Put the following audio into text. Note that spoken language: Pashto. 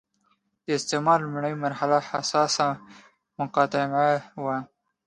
د استعمار لومړنۍ مرحله حساسه مقطعه وه.